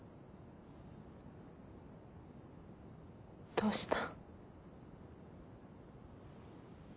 どうした？